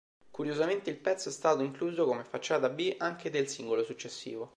Curiosamente il pezzo è stato incluso come facciata B anche del singolo successivo.